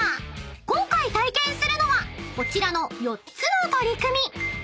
［今回体験するのはこちらの４つの取り組み］